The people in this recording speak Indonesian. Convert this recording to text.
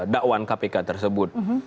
dakwaan kpk tersebut